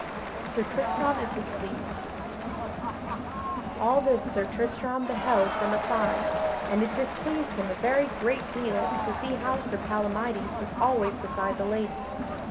[Sidenote: Sir Tristram is displeased] All this Sir Tristram beheld from aside and it displeased him a very great deal to see how Sir Palamydes was always beside the lady.